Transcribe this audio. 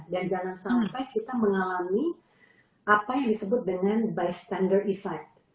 dan jangan sampai kita mengalami apa yang disebut dengan bystander effect